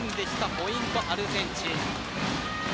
ポイントはアルゼンチンです。